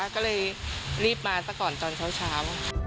ก็เลยรีบมาซะก่อนตอนเช้า